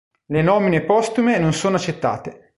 Le nomine postume non sono accettate.